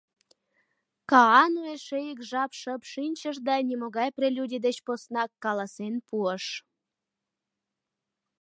Каану эше ик жап шып шинчыш да нимогай прелюдий деч поснак каласен пуыш: